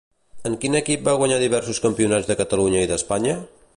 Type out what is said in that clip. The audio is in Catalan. En quin grup va guanyar diversos campionats de Catalunya i d'Espanya?